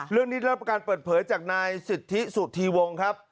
เรื่องนี้รับประการเปิดเผยจากนายสิทธิสุธีวงศ์ครับ